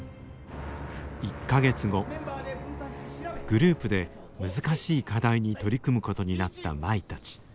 グループで難しい課題に取り組むことになった舞たち。